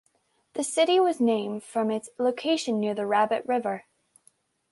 The city was named from its location near the Rabbit River.